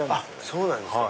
そうなんですか。